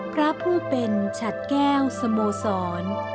พระผู้เป็นฉัดแก้วสโมสร